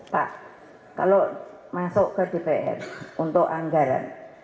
pak kalau masuk ke dpr untuk anggaran